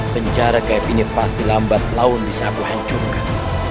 penjara kayap ini pasti lambat laun bisa aku hancurkan